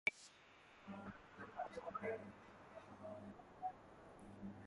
Wikispecies places the mesozoans in kingdom protista.